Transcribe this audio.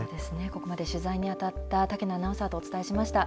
ここまで取材に当たった竹野アナウンサーとお伝えしました。